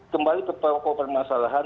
kembali ke proko permasalahan